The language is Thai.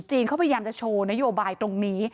เขาพยายามจะโชว์นโยบายตรงนี้